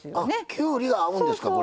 きゅうりが合うんですかこれ。